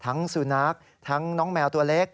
สุนัขทั้งน้องแมวตัวเล็ก